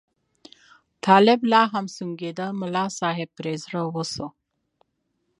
طالب لا هم سونګېده، ملا صاحب پرې زړه وسو.